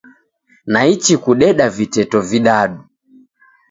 Naichi kudeda viteto vidadu.